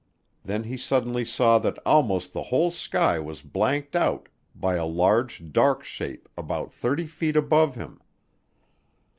Then he suddenly saw that almost the whole sky was blanked out by a large dark shape about 30 feet above him.